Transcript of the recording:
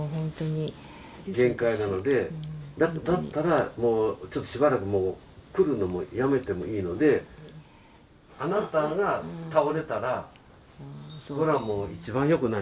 限界なのでだったらもうちょっとしばらくもう来るのもやめてもいいのであなたが倒れたらそりゃもう一番よくないのでね。